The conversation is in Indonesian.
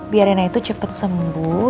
biar rena itu cepet sembuh